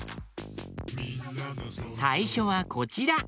さいしょはこちら！